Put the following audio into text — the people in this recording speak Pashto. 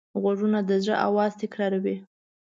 غوږونه د زړه آواز تکراروي